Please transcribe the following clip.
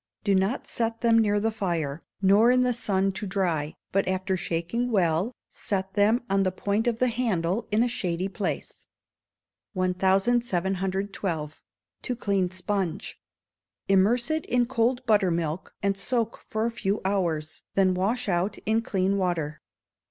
Do not set them near the fire, nor in the sun, to dry, but after shaking well, set them on the point of the handle in a shady place. 1712. To Clean Sponge. Immerse it in cold buttermilk, and soak for a few hours, then wash out in clean water.